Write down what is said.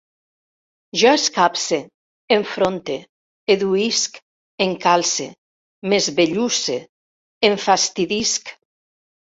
Jo escapce, enfronte, eduïsc, encalce, m'esbellusse, enfastidisc